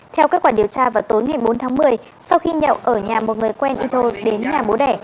theo kết quả điều tra vào tối ngày bốn tháng một mươi sau khi nhậu ở nhà một người quen indul đến nhà bố đẻ